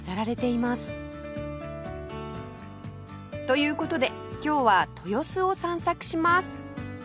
という事で今日は豊洲を散策します